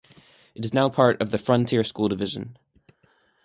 It is now part of the Frontier School Division.